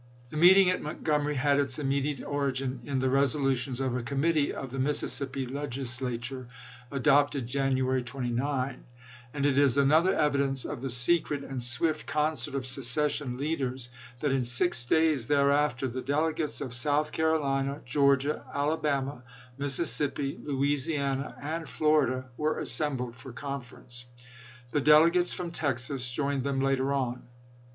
The meeting at Montgomery had its immediate origin in the resolutions of a committee of the Mississippi Legislature, adopted January 29; and i86i. it is another evidence of the secret and swift concert of secession leaders, that in six days there after the delegates of South Carolina, Georgia, Ala bama, Mississippi, Louisiana, and Florida were assembled for conference. The delegates from Texas joined them later on.